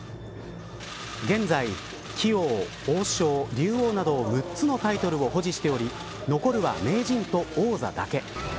現在、棋王、王将、竜王など６つのタイトルを保持しており残るは名人と王座だけ。